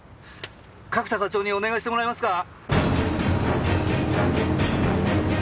角田課長にお願いしてもらえますか？